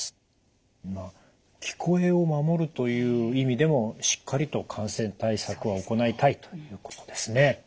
まあ聞こえを守るという意味でもしっかりと感染対策は行いたいということですね。